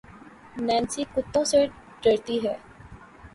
Nancy کتّوں سے درتی ہے